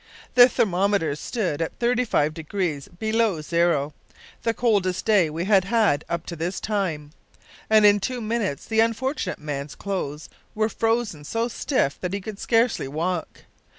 The thermometer stood at 35 degrees below zero, the coldest day we have had up to this time; and in two minutes the unfortunate man's clothes were frozen so stiff that he could scarcely walk!